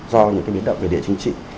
do những cái biến động về địa chính trị